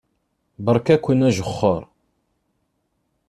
Beṛka-ken ajexxeṛ.